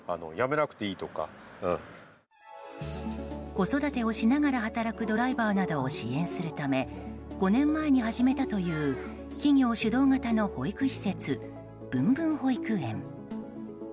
子育てをしながら働くドライバーなどを支援するため５年前に始めたという企業主導型の保育施設ＢｕｎＢｕｎ保育園。